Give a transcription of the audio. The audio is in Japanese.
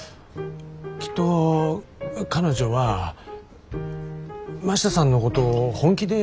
きっと彼女は真下さんのことを本気で。